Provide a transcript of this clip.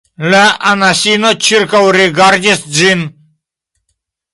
La anasino ĉirkaŭrigardis ĝin.